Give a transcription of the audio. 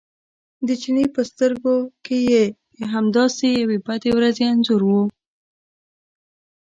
د چیني په سترګو کې د همداسې یوې بدې ورځې انځور و.